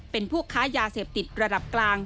เป็นผู้ค้ายาเสพติดระดับกลาง